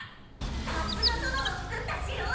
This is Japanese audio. さっすが殿のつくった城！